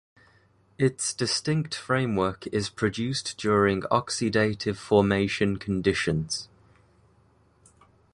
Its distinct framework is produced during oxidative formation conditions.